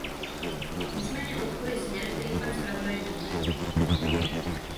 Nicméně podporuji směr, kterým pan zpravodaj míří.